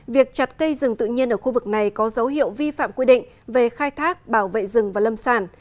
việc chặt cây rừng tự nhiên ở khu vực này có dấu hiệu vi phạm quy định về khai thác bảo vệ rừng và lâm sản